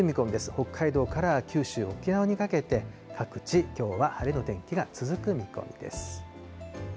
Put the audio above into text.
北海道から九州、沖縄にかけて、各地、きょうは晴れの天気が続く見込みです。